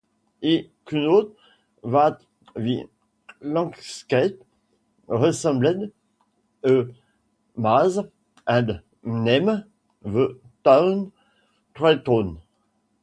He thought that the landscape resembled a maze and named the town Troytown.